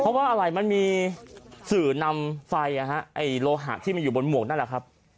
เพราะว่าอะไรมันมีสื่อนำไฟโลหะที่มันอยู่บนหมวกนั่นแหละครับ